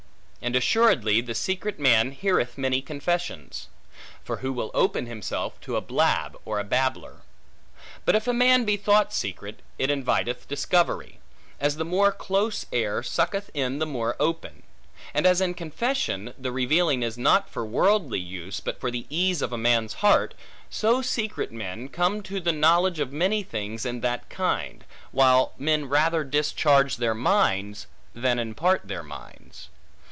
And assuredly, the secret man heareth many confessions. For who will open himself, to a blab or a babbler? But if a man be thought secret, it inviteth discovery; as the more close air sucketh in the more open; and as in confession, the revealing is not for worldly use, but for the ease of a man's heart, so secret men come to the knowledge of many things in that kind; while men rather discharge their minds, than impart their minds.